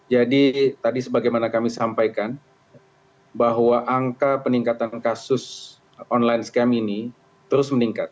jadi tadi sebagaimana kami sampaikan bahwa angka peningkatan kasus orlan scam ini terus meningkat